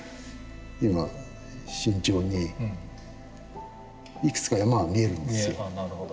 今慎重にいくつか山は見えるんですよ。